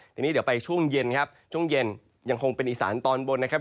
ทีนี้เดี๋ยวไปช่วงเย็นครับช่วงเย็นยังคงเป็นอีสานตอนบนนะครับ